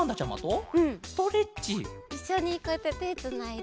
いっしょにこうやっててつないで。